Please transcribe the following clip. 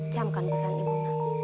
jamkan pesan ibu